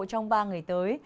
trong ba ngày tới